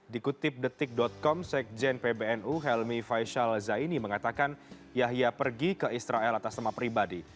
dikutip detik com sekjen pbnu helmi faisal zaini mengatakan yahya pergi ke israel atas nama pribadi